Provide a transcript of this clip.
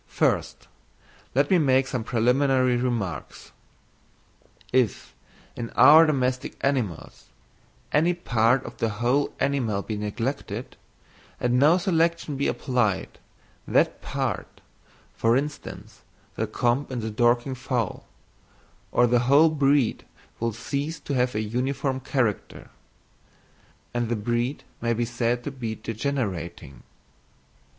First let me make some preliminary remarks. If, in our domestic animals, any part or the whole animal be neglected, and no selection be applied, that part (for instance, the comb in the Dorking fowl) or the whole breed will cease to have a uniform character: and the breed may be said to be degenerating.